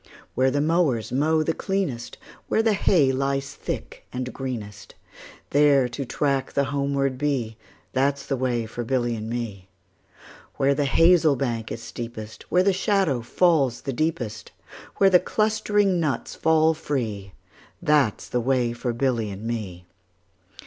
Where the mowers mow the cleanest, Where the hay lies thick and greenest, 10 There to track the homeward bee, That 's the way for Billy and me. Where the hazel bank is steepest, Where the shadow falls the deepest, Where the clustering nuts fall free, 15 That 's the way for Billy and me.